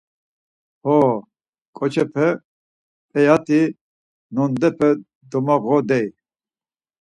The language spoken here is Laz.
Ho, ǩoçepe p̌eyat̆i nondepe domoğodey.